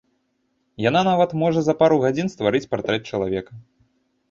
Яна нават можа за пару гадзін стварыць партрэт чалавека.